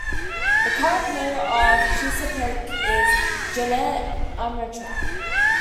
The current Mayor of Chesapeake is Janet Armentrout.